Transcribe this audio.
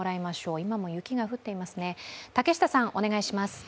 今も雪が降っていますね。